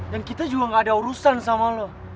dan kita juga gak ada urusan sama lo